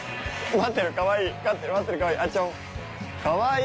待ってるかわいい。